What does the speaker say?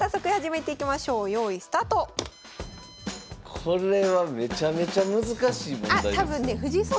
これはめちゃめちゃ難しい問題ですよ。